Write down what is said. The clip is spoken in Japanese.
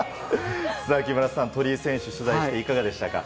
木村さん、鳥居選手を取材していかがでしたか。